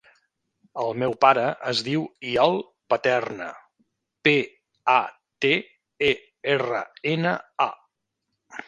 El meu pare es diu Iol Paterna: pe, a, te, e, erra, ena, a.